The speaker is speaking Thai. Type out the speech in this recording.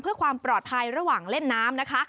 เพื่อความปลอดภัยระหว่างเล่นน้ำนะคะ